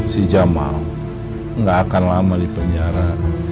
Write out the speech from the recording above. si jamal gak akan lama di penjara